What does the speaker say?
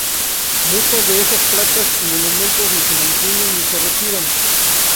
Muchas de estas placas y monumentos ni se mantienen ni se retiran.